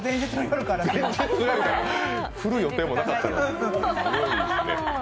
振る予定もなかった。